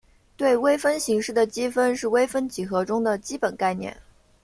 对微分形式的积分是微分几何中的基本概念。